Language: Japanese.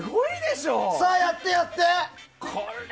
さあ、やってやって！